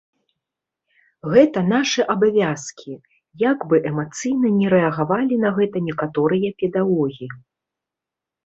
Гэта нашы абавязкі, як бы эмацыйна ні рэагавалі на гэта некаторыя педагогі.